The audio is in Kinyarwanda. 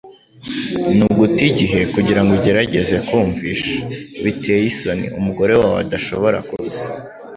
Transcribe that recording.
Ni uguta igihe kugirango ugerageze kumvisha . Biteye isoni umugore wawe adashobora kuza.